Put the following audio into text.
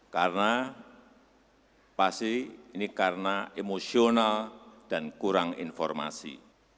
karena pasti ini karena emosional dan kurang informasi